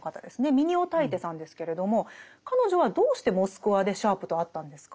ミニオタイテさんですけれども彼女はどうしてモスクワでシャープと会ったんですか？